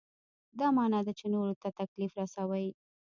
دا معنا ده چې نورو ته تکلیف رسوئ.